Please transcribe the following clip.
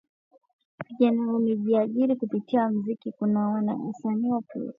Vijana wengi wamejiajiri kupitia muziki huu kuna wasanii maprodyuza na waongozaji wa video